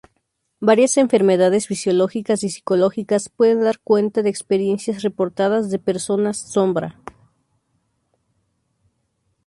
Varias enfermedades fisiológicas y psicológicas pueden dar cuenta de experiencias reportadas de personas sombra.